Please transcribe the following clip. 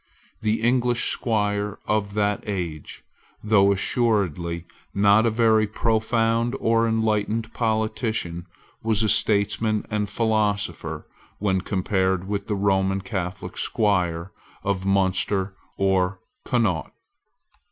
The English squire of that age, though assuredly not a very profound or enlightened politician, was a statesman and a philosopher when compared with the Roman Catholic squire of Munster or Connaught.